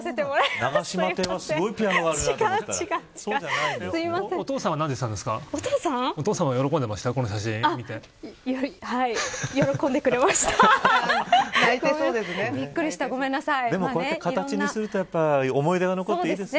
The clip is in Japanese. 永島邸はすごいピアノがあるなと思ったらお父さんは何と言ってたんですか。